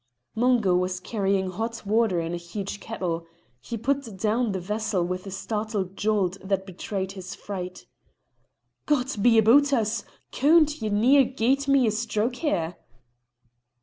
Mungo was carrying hot water in a huge kettle. He put down the vessel with a startled jolt that betrayed his fright. "God be aboot us! Coont, ye near gied me a stroke there."